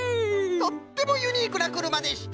とってもユニークなくるまでした。